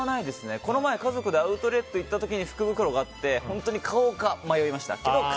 この前、家族でアウトレット行った時に福袋があって本当に買おうか迷いました。